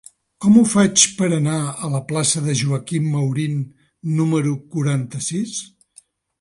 Com ho faig per anar a la plaça de Joaquín Maurín número quaranta-sis?